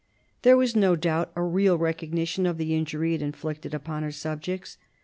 There was no doubt a real recognition of the injury it inflicted upon her subjects.